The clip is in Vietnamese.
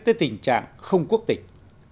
tới tình trạng không quốc tịch